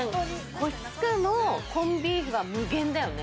腰塚のコンビーフが無限だよね。